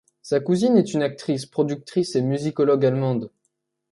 Sa cousine est une actrice, productrice et musicologue allemande.